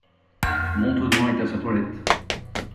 Montaudoin est à sa toilette.